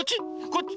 こっち？